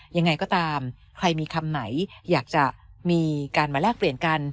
ยังไงก็ตามใครมีคำไหนอยากจะมีการมาแลกเปลี่ยนกัน